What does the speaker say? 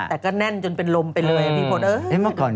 แต่ก็แน่นจนเป็นลมไปเลยพี่พลเอ้ย